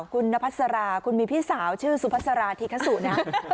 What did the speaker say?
คุณนพัสราคุณมีพี่สาวชื่อสุพัสราธิคสุนะ